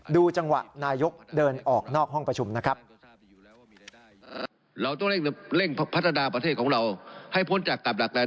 ดูจังหวะนายกเดินออกนอกห้องประชุมนะครับ